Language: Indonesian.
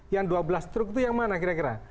yang dua belas truk itu yang mana kira kira